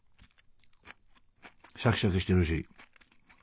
シャキシャキしてるし。